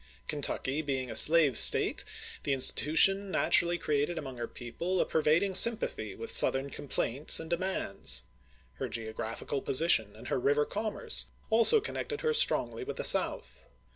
Kentucky being a slave State, the insti tution natui^ally created among her people a per vading sympathy with Southern complaints and demands. Her geographical position and her river commerce also connected her strongly with the South.